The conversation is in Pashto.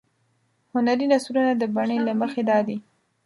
هنري نثرونه د بڼې له مخې دادي.